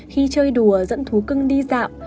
khi chơi đùa dẫn thú cưng đi dạo